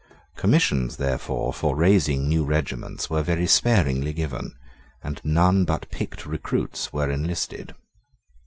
Commissions therefore for raising new regiments were very sparingly given; and none but picked recruits were enlisted.